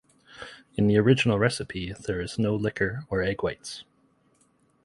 In the original recipe there is no liquor or egg whites.